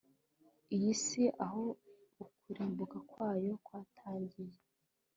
iyi si aho ukurimbuka kwayo kwatangiriye